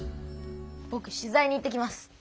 ぼく取材に行ってきます。